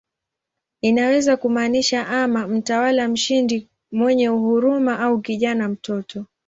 Inaweza kumaanisha ama "mtawala mshindi mwenye huruma" au "kijana, mtoto".